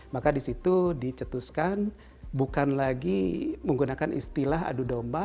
maka disitu dicetuskan bukan lagi menggunakan istilah adu domba